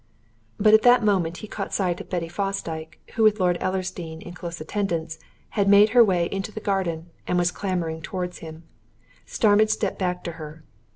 But at that moment he caught sight of Betty Fosdyke, who, with Lord Ellersdeane in close attendance, had made her way into the garden and was clambering towards him. Starmidge stepped back to her.